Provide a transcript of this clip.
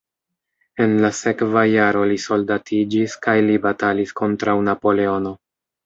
En la sekva jaro li soldatiĝis kaj li batalis kontraŭ Napoleono.